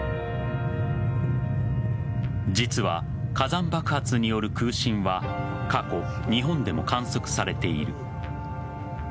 実は火山爆発による空振は過去、日本でも観測されている。